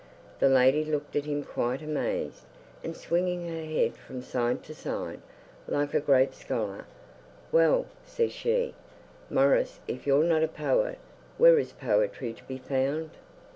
The lady looked at him quite amazed, and swinging her head from side to side like a great scholar, 'Well,' says she, 'Maurice, if you're not a poet, where is poetry to be found?